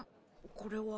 これは。